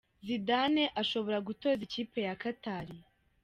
Zidane ashobora gutoza ikipe ya Qatar.